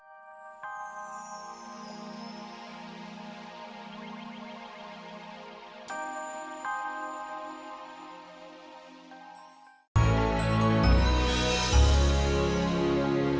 sekarang kita yang pk